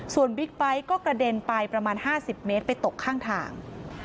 ส่วนบิ๊กไบท์ก็กระเด็นไปประมาณ๕๐เมตรไปตกข้างทาง